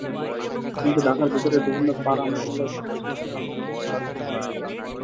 কিন্তু ঢাকার ভেতরের বিভিন্ন পাড়া–মহল্লার ভাঙাচোরা সড়ক মেরামতের কাজ এখনো শুরু হয়নি।